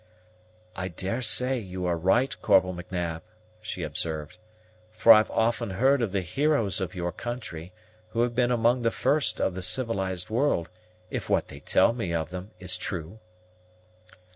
"I daresay you are right, Corporal M'Nab," she observed; "for I've often heard of the heroes of your country, who have been among the first of the civilized world, if what they tell me of them is true."